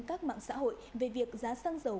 các mạng xã hội về việc giá xăng dầu